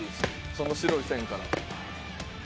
その白い線から。